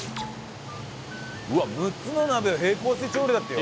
うわっ６つの鍋を並行して調理だってよ！